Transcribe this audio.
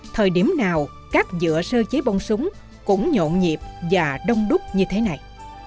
thời điểm nào các dựa sơ chế bông súng cũng nhộn nhịp và đông đúc như thế này